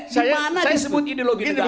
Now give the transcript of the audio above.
gimana disebut ideologi negara